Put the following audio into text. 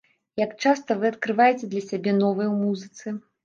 Як часта вы адкрываеце для сябе новае ў музыцы?